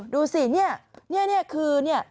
ดูสินี่คือ